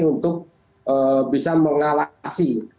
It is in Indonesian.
untuk bisa mengawasi